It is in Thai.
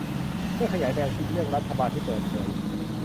เพื่อขยายแนวคิดเรื่องรัฐบาลที่เปิดเผย